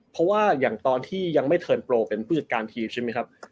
เพราะว่าอย่างตอนที่ยังไม่เทิร์นโปรเป็นผู้จัดการทีมใช่ไหมครับ